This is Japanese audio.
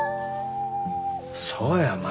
そうや舞。